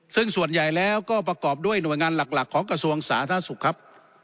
ซึ่งส่วนใหญ่แล้วก็ประกอบด้วยหน่วยงานหลักของกระทรวงสาธารณสุขครับ